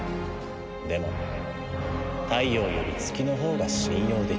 でも太陽より月のほうが信用できる。